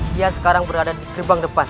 dia sekarang berada di gerbang depan